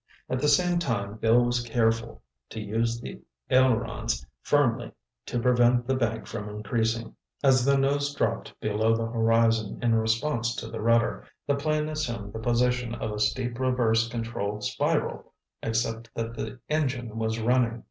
At the same time Bill was careful to use the ailerons firmly to prevent the bank from increasing. As the nose dropped below the horizon in response to the rudder, the plane assumed the position of a steep reverse control spiral, except that the engine was running.